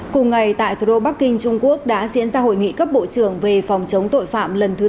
cùng ngày tại thủ đô bắc kinh trung quốc đã diễn ra hội nghị cấp bộ trưởng về phòng chống tội phạm lần thứ chín